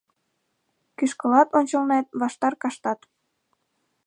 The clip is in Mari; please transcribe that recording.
Кӱшкылат ончылнет ваштар каштат